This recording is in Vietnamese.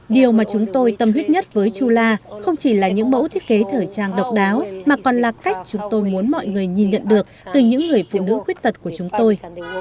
điều mà chúng tôi tâm huyết nhất với chula không chỉ là những mẫu thiết kế thời trang độc đáo mà còn là cách chúng tôi muốn mọi người nhìn nhận được từ những người phụ nữ khuyết tật của chúng tôi